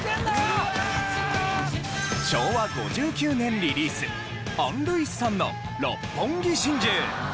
昭和５９年リリースアン・ルイスさんの『六本木心中』。